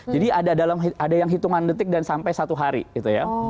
jadi ada yang hitungan detik dan sampai satu hari gitu ya